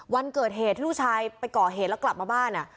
วันเกิดเหตุที่ลูกชายไปก่อเหตุแล้วกลับมาบ้าน